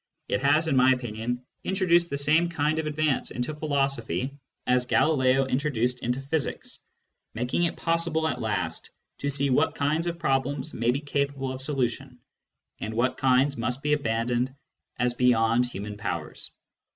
It has, in my opinion, introduced the same kind of advance into philosophy as Galileo introduced into physics, making it possible at last to see what kinds of problems may be capable of solution, and what kinds must be abandoned as beyond human powers.